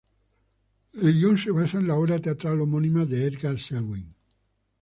El guion se basa en la obra teatral homónima de Edgar Selwyn.